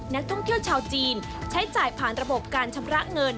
นักท่องเที่ยวชาวจีนใช้จ่ายผ่านระบบการชำระเงิน